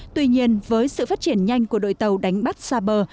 tuy nhiên với sự phát triển nhanh của đội tàu đánh bắt xa bờ